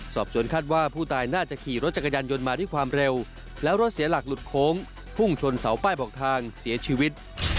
จนคาดว่าผู้ตายน่าจะขี่รถจักรยานยนต์มาด้วยความเร็วแล้วรถเสียหลักหลุดโค้งพุ่งชนเสาป้ายบอกทางเสียชีวิต